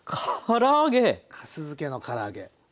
かす漬けのから揚げ。